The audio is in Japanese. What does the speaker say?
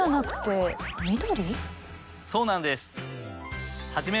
そうなんです！